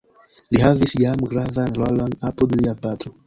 Li havis jam gravan rolon apud lia patro.